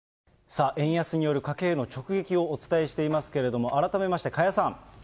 さあ、円安による家計への直撃をお伝えしていますけれども、改めまして加谷さん。